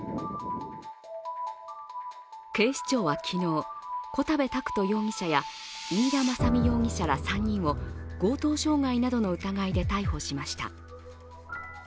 警視庁は昨日、小田部拓斗容疑者や飯田政実容疑者ら３人を強盗傷害などの疑いで逮捕しました。